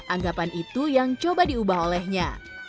anggapan itu yang coba diubah olehnya